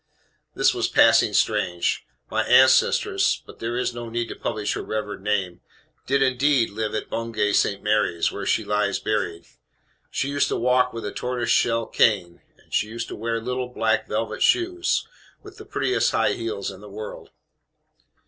This was passing strange. My ancestress but there is no need to publish her revered name did indeed live at Bungay St. Mary's, where she lies buried. She used to walk with a tortoise shell cane. She used to wear little black velvet shoes, with the prettiest high heels in the world.